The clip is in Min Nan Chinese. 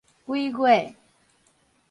鬼月